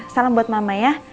salam buat mama ya